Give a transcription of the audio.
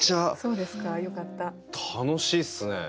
楽しいっすね。